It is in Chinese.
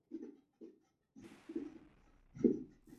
教堂外观揉合了文艺复兴式风格和早期巴洛克式风格。